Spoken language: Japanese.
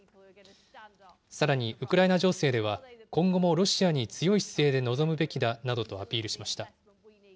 さらに、ウクライナ情勢では、今後もロシアに強い姿勢で臨むべきだなどとアピールしました。